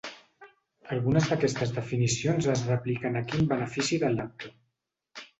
Algunes d'aquestes definicions es repliquen aquí en benefici del lector.